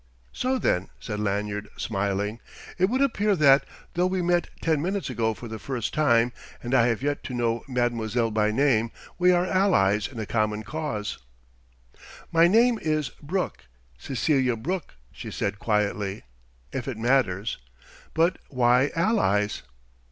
So then," said Lanyard, smiling, "it would appear that, though we met ten minutes ago for the first time and I have yet to know mademoiselle by name we are allies in a common cause." "My name is Brooke Cecelia Brooke," she said quietly "if it matters. But why 'allies'?"